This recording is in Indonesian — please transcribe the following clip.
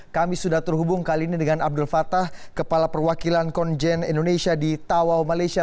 kami sudah terhubung kali ini dengan abdul fatah kepala perwakilan konjen indonesia di tawau malaysia